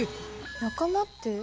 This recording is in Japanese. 仲間って？